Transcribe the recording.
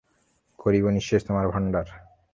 করিব নিঃশেষ তোমার ভাণ্ডার।